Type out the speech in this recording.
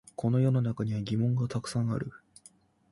この世の中には疑問がたくさんある